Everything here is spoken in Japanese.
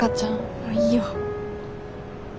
もういいよ。